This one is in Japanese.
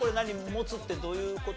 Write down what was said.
持つってどういう事？